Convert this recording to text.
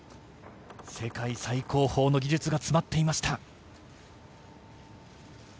世界最高峰の技術が詰まっていました。